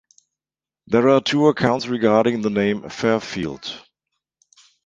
There are two accounts regarding the name "Fairfield".